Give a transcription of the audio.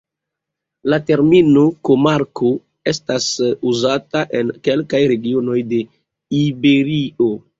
La termino komarko estas uzata en kelkaj regionoj de Iberio.